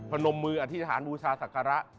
นมมืออธิษฐานบูชาศักระ